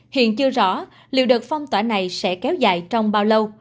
hiện chưa rõ liệu đợt phong tỏa này sẽ kéo dài trong bao lâu